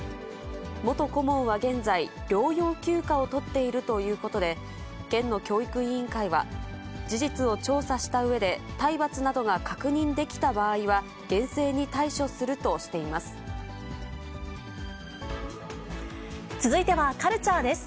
元顧問は現在、療養休暇を取っているということで、県の教育委員会は、事実を調査したうえで、体罰などが確認できた場合は、続いてはカルチャーです。